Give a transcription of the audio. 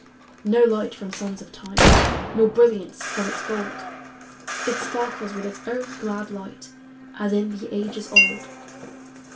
No light from sons of time, Nor brilliance from its gold; It sparkles with its own glad light, As in the ages old.